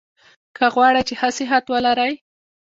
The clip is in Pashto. که غواړی چي ښه صحت ولرئ؟